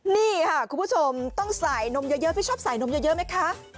นี่ค่ะคุณผู้ชมต้องใส่นมเยอะพี่ชอบใส่นมเยอะไหมคะ